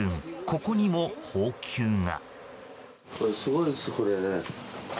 ここにも、蜂球が。